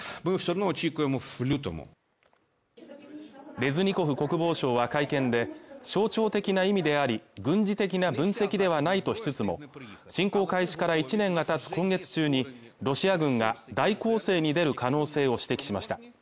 レズニコフ国防相は会見で象徴的な意味であり軍事的な分析ではないとしつつも侵攻開始から１年が経つ今月中にロシア軍が大攻勢に出る可能性を指摘しました